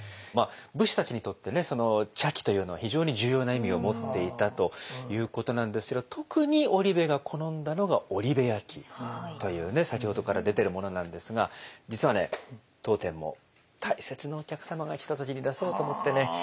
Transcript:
まあ武士たちにとって茶器というのは非常に重要な意味を持っていたということなんですけど特に織部が好んだのが先ほどから出てるものなんですが実は当店も大切なお客様が来た時に出そうと思ってね。